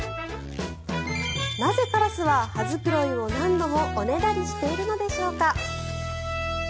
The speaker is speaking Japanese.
なぜカラスは羽繕いを何度もおねだりしているのでしょうか。